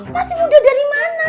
masih muda dari mana